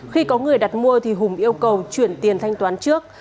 khi có người đặt mua thì hùng yêu cầu chuyển tiền thanh toán trước